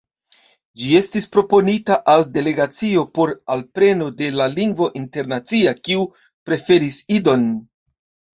Ĝi estis proponita al Delegacio por alpreno de la lingvo internacia, kiu preferis Idon.